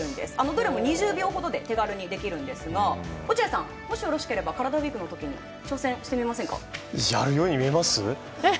どれも２０秒ほどで手軽にできるんですが落合さん、もしよろしければカラダＷＥＥＫの時にやるように見えます？